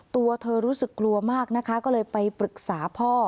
ตัวเธอรู้สึกกลัวมากนะคะก็เลยไปปรึกษาพ่อ